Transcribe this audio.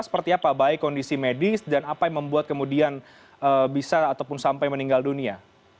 seperti apa baik kondisi medis dan apa yang membuat kemudian bisa ataupun sampai meninggal dunia